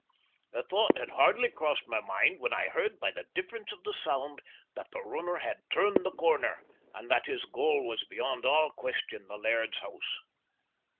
The thought had hardly crossed my mind when I heard by the difference of the sound that the runner had turned the corner, and that his goal was beyond all question the laird's house.